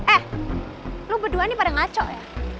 eh lo berdua nih pada ngaco ya